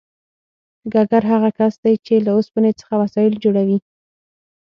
ګګر هغه کس دی چې له اوسپنې څخه وسایل جوړوي